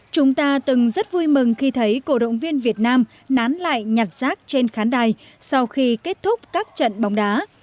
chúng ta từng rất vui mừng khi thấy cổ động viên việt nam nán lại nhặt rác trên khán đài sau khi kết thúc các trận bóng đá